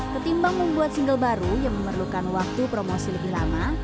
ketimbang membuat single baru yang memerlukan waktu promosi lebih lama